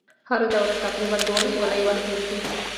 هره دوره تقریبا دولس اونۍ وخت نیسي.